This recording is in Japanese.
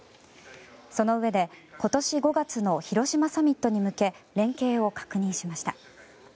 そのうえで、今年５月の広島サミットに向け連携を確認しました。